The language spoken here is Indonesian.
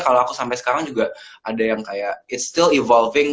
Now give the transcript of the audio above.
kalau aku sampai sekarang juga ada yang kayak it's still evolving